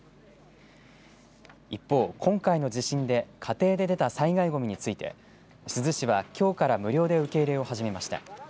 一方、今回の地震で家庭で出た災害ごみについて珠洲市はきょうから無料で受け入れを始めました。